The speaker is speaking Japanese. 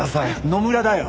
野村だよ。